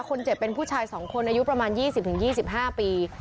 คนเจ็บเป็นผู้ชาย๒คนอายุประมาณ๒๐๒๕ปี